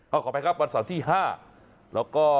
เอาขออภัยครับวันเสาร์ที่๕แล้วก็